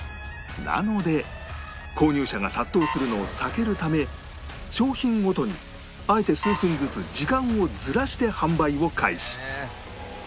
なので購入者が殺到するのを避けるため商品ごとにあえて数分ずつ時間をずらして販売を開始